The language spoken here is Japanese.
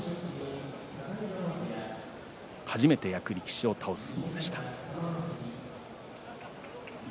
初めて役力士を倒す一番でした。